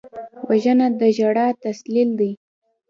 وژنه د ژړا تسلسل دی